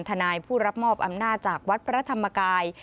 ทนายผู้รับมอบอำนาจจากวัดพระธรรมกาย